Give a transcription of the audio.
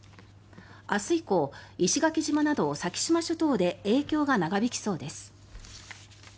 明日以降、石垣島など先島諸島で影響が長引きそうです。